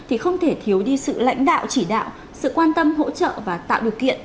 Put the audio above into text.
thì không thể thiếu đi sự lãnh đạo chỉ đạo sự quan tâm hỗ trợ và tạo điều kiện